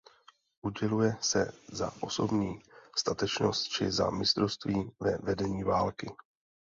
Uděluje se za osobní statečnost či za mistrovství ve vedení války.